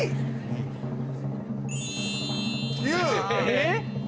えっ？